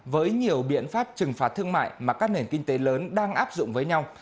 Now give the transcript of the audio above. với nhiều biện pháp trừng phạt thương mại mà các nền kinh tế lớn đang áp dụng với nhau